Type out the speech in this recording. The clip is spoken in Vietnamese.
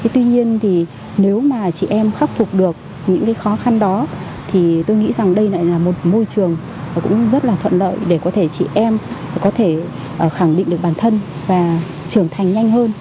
tuy nhiên thì nếu mà chị em khắc phục được những khó khăn đó thì tôi nghĩ rằng đây lại là một môi trường cũng rất là thuận lợi để có thể chị em có thể khẳng định được bản thân và trưởng thành nhanh hơn